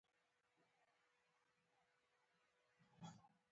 د کابل سیند د افغانستان د امنیت په اړه هم اغېز لري.